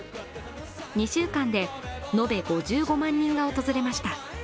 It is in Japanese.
２週間で延べ５５万人が訪れました。